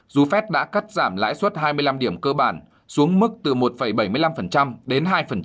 dù phép đã cắt giảm lãi suất hai mươi năm điểm cơ bản xuống mức từ một bảy mươi năm đến hai